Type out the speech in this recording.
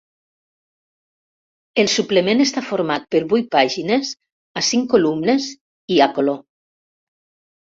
El suplement està format per vuit pàgines a cinc columnes i a color.